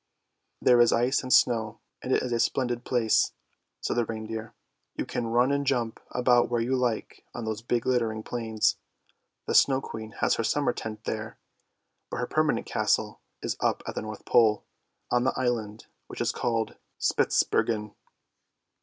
:< Theie is ice and snow, and it's a splendid place," said the reindeer. " You can run and jump about where you like on those big glittering plains. The Snow Queen has her summer tent there, but her permanent castle is up at the North Pole, on the island which is called Spitzbergen!